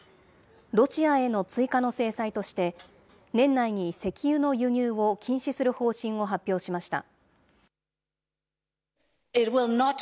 ロシアへの追加の制裁として、年内に石油の輸入を禁止する方針を発表しました。